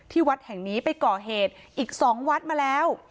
วัดแห่งนี้ไปก่อเหตุอีก๒วัดมาแล้ว